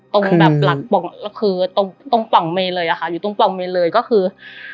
ตรงแบบหลักตรงปล่องเมนเลยอ่ะค่ะอยู่ตรงปล่องเมนเลยก็คือ